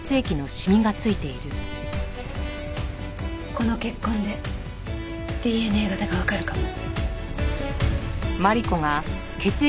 この血痕でＤＮＡ型がわかるかも。